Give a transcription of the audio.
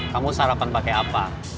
kamu sarapan pakai apa